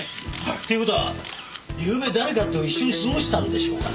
っていう事はゆうべ誰かと一緒に過ごしたんでしょうかね？